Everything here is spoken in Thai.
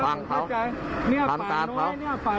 ฟังเขาทำการเขา